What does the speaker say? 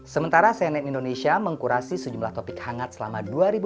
sementara cnn indonesia mengkurasi sejumlah topik hangat selama dua ribu dua puluh